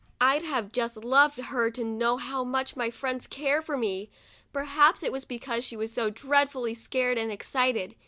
I'd have just loved her to know how much my friends care for me. Perhaps it was because she was so dreadfully scared and excited.